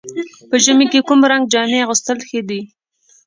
په ژمي کې کوم رنګ جامې اغوستل ښه دي؟